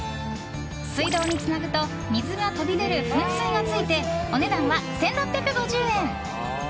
水道につなぐと水が飛び出る噴水がついてお値段は１６５０円。